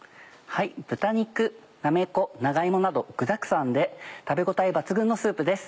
豚肉なめこ長芋など具だくさんで食べ応え抜群のスープです。